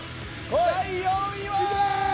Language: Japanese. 第４位は！